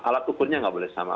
alat ukurnya nggak boleh sama